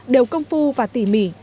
đều công phu và tỉ mỉ